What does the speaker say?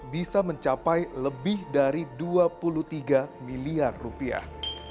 bisa mencapai lebih dari dua puluh tiga miliar rupiah